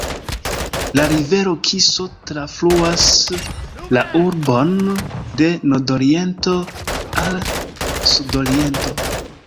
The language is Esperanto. La rivero Kiso trafluas la urbon de nordoriento al sudoriento.